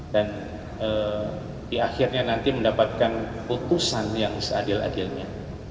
dan eh di akhirnya nanti mendapatkan putusan yang seadil adilnya